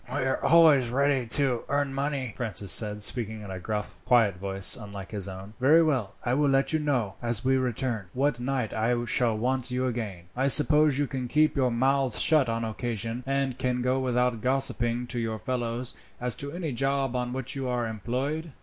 "We are always ready to earn money," Francis said, speaking in a gruff voice quite unlike his own. "Very well. I will let you know, as we return, what night I shall want you again. I suppose you can keep your mouths shut on occasion, and can go without gossiping to your fellows as to any job on which you are employed?"